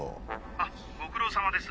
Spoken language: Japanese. ☎あっご苦労さまです。